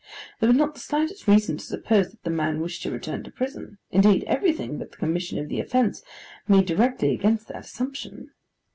There was not the slightest reason to suppose that the man wished to return to prison: indeed everything, but the commission of the offence, made directly against that assumption.